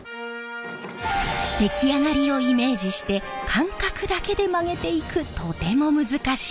出来上がりをイメージして感覚だけで曲げていくとても難しい作業。